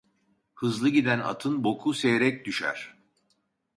Hızlı giden atın boku seyrek düşer.